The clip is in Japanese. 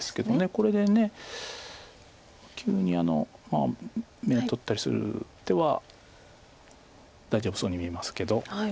これで急に眼を取ったりする手は大丈夫そうに見えますけど。